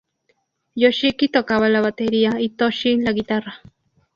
Yoshiki tocaba la batería y Toshi la guitarra.